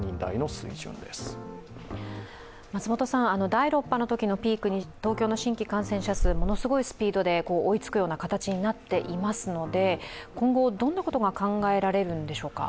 第６波のときのピークに東京の新規感染者数、ものすごいスピードで追いつくような形になっていますので、今後、どんなことが考えられるんでしょうか。